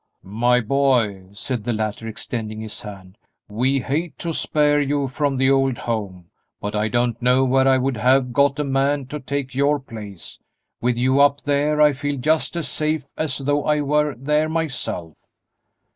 "My boy," said the latter, extending his hand, "we hate to spare you from the old home, but I don't know where I would have got a man to take your place; with you up there I feel just as safe as though I were there myself."